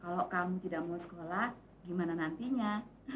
kalau kamu tidak mau sekolah gimana nantinya